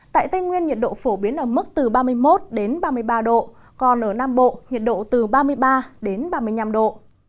tại tây nguyên nhiệt độ phổ biến ở mức từ ba mươi một ba mươi ba độ còn ở nam bộ nhiệt độ từ ba mươi ba đến ba mươi năm độ